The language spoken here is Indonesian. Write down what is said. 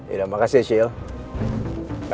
yaudah makasih ya sheila